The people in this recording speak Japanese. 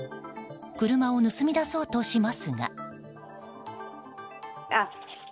車を盗み出そうとしますが。